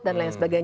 dan lain sebagainya